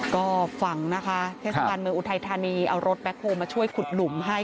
ก็ฝังนะคะเทศบาลเมืองอุทัยธานีเอารถแบ็คโฮลมาช่วยขุดหลุมให้